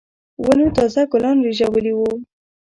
ونو تازه ګلان رېژولي وو.